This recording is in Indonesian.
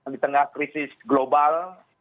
di tengah krisis global